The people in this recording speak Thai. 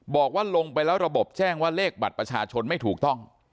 บอกว่าลงไปแล้วระบบแจ้งว่าเลขบัตรประชาชนไม่ถูกต้อง